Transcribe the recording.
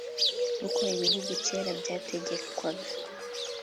uko ibihugu kera byategekwaga.